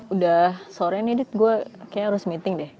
udah sore nih dit gue kayaknya harus meeting deh